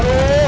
nih di situ